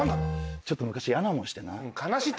ちょっと昔嫌な思いしてな。